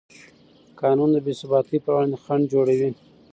قانون د بېثباتۍ پر وړاندې خنډ جوړوي.